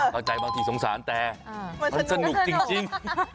บางทีสงสารแต่มันสนุกจริง